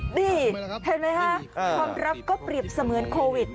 นี่เห็นไหมคะความรักก็เปรียบเสมือนโควิด